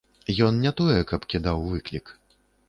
Ён не тое, каб кідаў выклік.